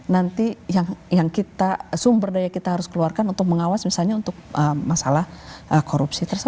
nanti sumber daya yang harus kita keluarkan untuk mengawas masalah korupsi tersebut